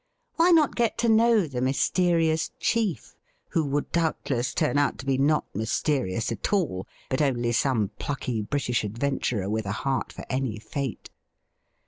'' Why not get to know the mysterious chief, who would doubtless turn out to be not mysterious at all, but only some plucky British adventurer with a heart for any fate